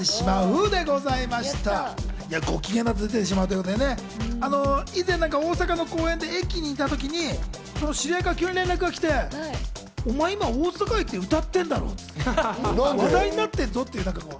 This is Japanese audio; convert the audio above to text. ご機嫌が出てしまうということで以前大阪の公演で駅にいた時に知り合いから連絡が来てお前、今、大阪駅で歌っているだろうと、話題になっているぞと。